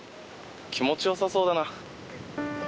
気持ちよさそうだな。